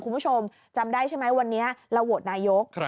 คุณผู้ชมจำได้ใช่ไหมวันนี้เราโหวตนายก